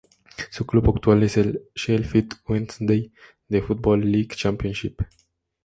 Su club actual es el Sheffield Wednesday de la Football League Championship.